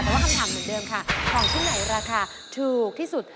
แต่ว่าคำถามเหมือนเดิมค่ะของชิ้นไหนราคาถูกที่สุด